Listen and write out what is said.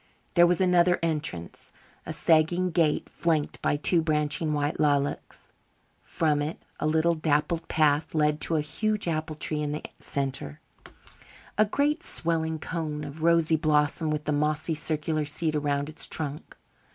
There was another entrance a sagging gate flanked by two branching white lilacs. From it a little dappled path led to a huge apple tree in the centre, a great swelling cone of rosy blossom with a mossy circular seat around its trunk.